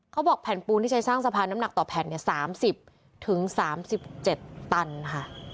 เขาบอกแผ่นปูนที่ใช้สร้างสะพานน้ำหนักต่อแผ่น๓๐๓๗ตันค่ะ